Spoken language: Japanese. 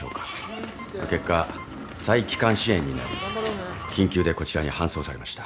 結果細気管支炎になり緊急でこちらに搬送されました。